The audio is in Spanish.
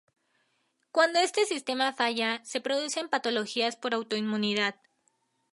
Cuando este sistema falla, se producen patologías por autoinmunidad.